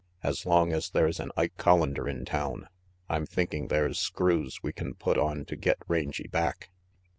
"As long as there's an Ike Collander in town, I'm thinking there's screws we can put on to get Rangy back.